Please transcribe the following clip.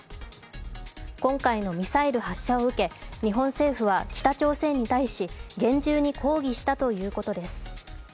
今回のミサイル発射を受け日本政府は北朝鮮に対し、厳重に抗議したということです。